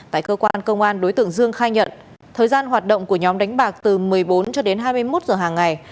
tại cơ quan công an đối tượng dương khai nhận thời gian hoạt động của nhóm đánh bạc từ một mươi bốn cho đến hai mươi một giờ hàng ngày